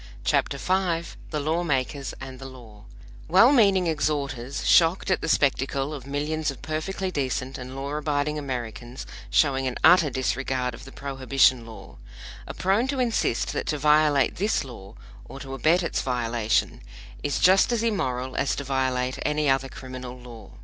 CHAPTER V THE LAW MAKERS AND THE LAW WELL MEANING exhorters, shocked at the spectacle of millions of perfectly decent and law abiding Americans showing an utter disregard of the Prohibition law, are prone to insist that to violate this law, or to abet its violation, is just as immoral as to violate any other criminal law.